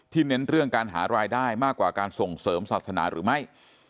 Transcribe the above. เน้นเรื่องการหารายได้มากกว่าการส่งเสริมศาสนาหรือไม่